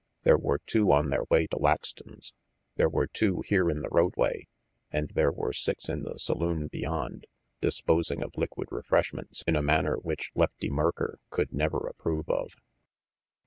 There were two on their way to Laxton's; there were two here in the roadway, and there were six in the saloon beyond, disposing of liquid refreshments in a manner which Lefty Merker could never approve of.